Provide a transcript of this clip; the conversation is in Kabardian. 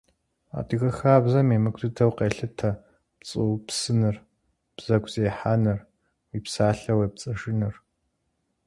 Адыгэ хабзэм емыкӀу дыдэу къелъытэ пцӀы упсыныр, бзэгу зехьэныр, уи псалъэ уепцӀыжыныр.